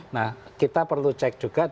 nah kita perlu cek juga